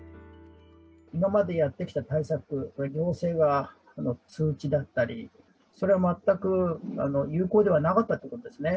今までやってきた対策、要請は、通知だったり、それは全く有効ではなかったということですね。